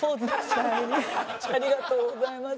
ありがとうございます。